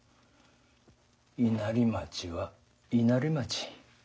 稲荷町は稲荷町。